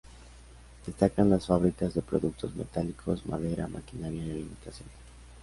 Destacan las fábricas de productos metálicos, madera, maquinaria y alimentación.